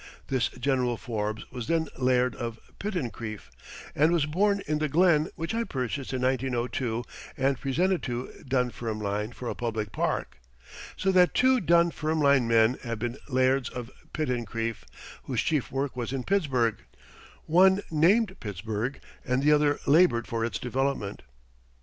This General Forbes was then Laird of Pittencrieff and was born in the Glen which I purchased in 1902 and presented to Dunfermline for a public park. So that two Dunfermline men have been Lairds of Pittencrieff whose chief work was in Pittsburgh. One named Pittsburgh and the other labored for its development.